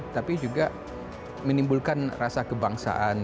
tapi juga menimbulkan rasa kebangsaan